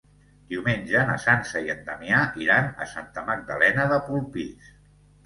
Diumenge na Sança i en Damià iran a Santa Magdalena de Polpís.